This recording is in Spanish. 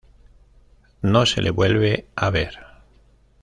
No se le vuelve a ver.